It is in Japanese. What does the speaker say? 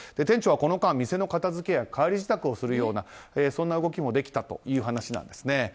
店長はこの間、店の片づけや帰り支度をするような動きもできたという話なんですね。